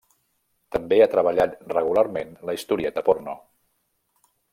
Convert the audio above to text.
També ha treballat regularment la historieta porno.